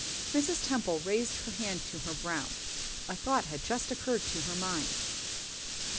Mrs. Temple raised her hand to her brow: a thought had just occurred to her mind.